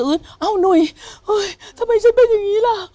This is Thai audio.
เอ้าหนุ่ยเฮ้ยทำไมฉันเป็นอย่างนี้ล่ะ